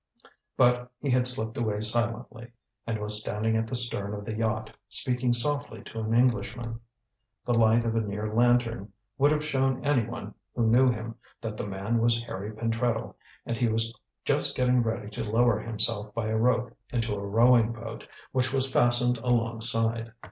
But he had slipped away silently, and was standing at the stern of the yacht, speaking softly to an Englishman. The light of a near lantern would have shown anyone who knew him that the man was Harry Pentreddle, and he was just getting ready to lower himself by a rope into a rowing boat, which was fastened alongside.